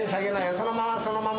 そのままそのまま。